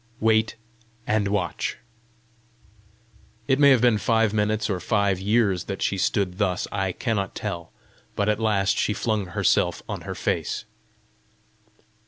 Wait and watch." It may have been five minutes or five years that she stood thus I cannot tell; but at last she flung herself on her face.